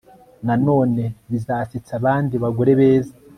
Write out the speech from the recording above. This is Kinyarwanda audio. na none bizasetsa abandi bagore beza